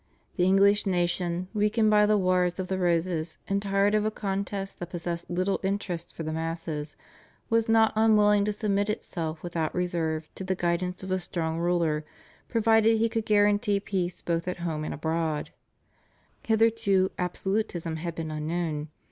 The English nation, weakened by the Wars of the Roses and tired of a contest that possessed little interest for the masses, was not unwilling to submit itself without reserve to the guidance of a strong ruler provided he could guarantee peace both at home and abroad. Practically speaking, hitherto absolutism had been unknown.